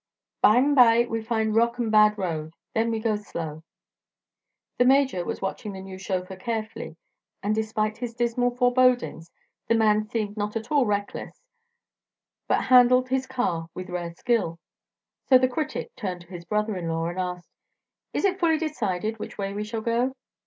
"By'm by we find rock an' bad road. Then we go slow." The Major was watching the new chauffeur carefully, and despite his dismal forebodings the man seemed not at all reckless but handled his car with rare skill. So the critic turned to his brother in law and asked: "Is it fully decided which way we shall go?"